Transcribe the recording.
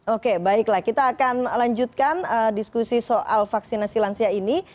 oke baiklah kita akan lanjutkan diskusi soal vaksinasi lansia ini